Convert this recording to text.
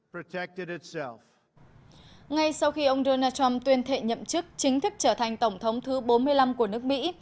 ngay sau khi ông donald trump tuyên thệ nhậm chức chính thức trở thành tổng thống thứ bốn mươi năm của nước mỹ